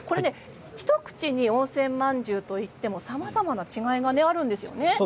一口に温泉まんじゅうといってもさまざまな違いがあるんですよね。